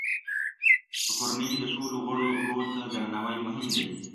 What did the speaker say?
په کورنۍ کې د ټولو غړو رول ته درناوی مهم دی.